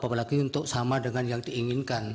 apalagi untuk sama dengan yang diinginkan